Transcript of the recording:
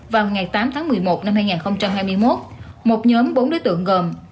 vào ngày tám tháng một mươi một năm hai nghìn hai mươi một một nhóm bốn đối tượng gồm